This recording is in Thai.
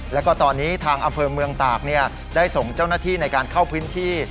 แล้วก็ตอนนี้ทางอำเภอเมืองตากได้ส่งเจ้าหน้าที่ในการเข้าพื้นที่